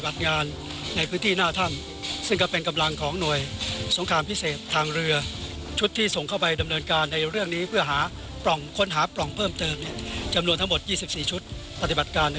สนุนโดยเครื่องดื่มมีประโยชน์ปรุงอาหารก็อร่อย